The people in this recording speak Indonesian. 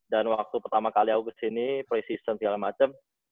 dan waktu pertama kali aku kesini pre season segala macem